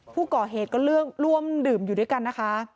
ผู้ก่อเหตุก็เลือกร่วมดื่มอยู่ด้วยกันนะคะ